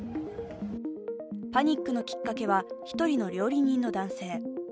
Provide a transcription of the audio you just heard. パニックのきっかけは、１人の料理人の男性。